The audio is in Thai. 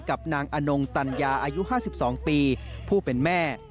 กับนางอนงตัญญาอายุ๕๒ปีผู้เป็นแม่